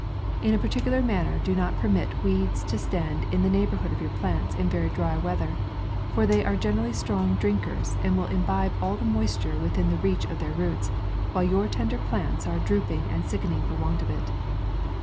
In a particular mai do not permit weeds to stand in the neigh bourhood of your plants in very dry weather, for they are generally strong drinkers, and will imbibe all the moisture within the reach of their roots, while your tender plants are drooping and sickening for want of it.